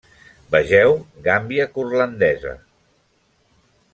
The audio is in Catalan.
Vegeu Gàmbia Curlandesa.